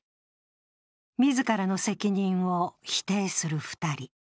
自らの責任を否定する２人。